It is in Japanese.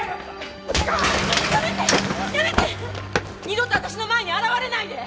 二度と私の前に現れないで！